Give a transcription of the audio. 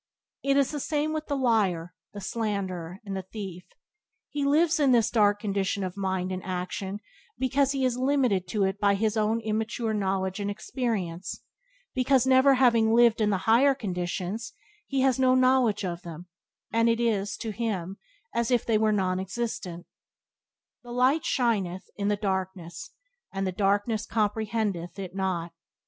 It is the same with the liar, the slanderer, and the thief; he lives in this dark condition of mind and action because he is limited to it by his immature Byways to Blessedness by James Allen 44 knowledge and experience, because never having lived in the higher conditions, he has no knowledge of them, and it is, to him, as if they were non existent: "The light shineth in the darkness and the darkness comprehendenth it not.